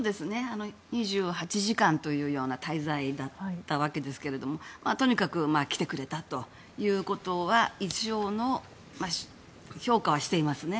２８時間という滞在だったわけですがとにかく来てくれたということは一応の評価はしていますね。